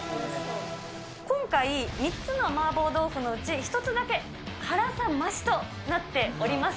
今回、３つの麻婆豆腐のうち１つだけ辛さ増しとなっております。